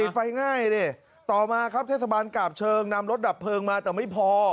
ไฟง่ายดิต่อมาครับเทศบาลกาบเชิงนำรถดับเพลิงมาแต่ไม่พอ